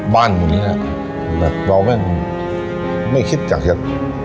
บ้านแบบนี้แบบเราแม่งไม่คิดอย่างเงียบ